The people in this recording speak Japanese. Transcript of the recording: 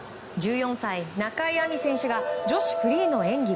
１４歳、中井亜美選手が女子フリーの演技